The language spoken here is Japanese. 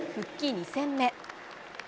２戦目。